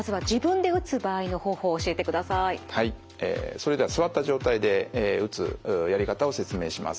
それでは座った状態で打つやり方を説明します。